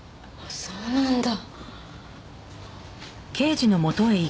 そうなんだ。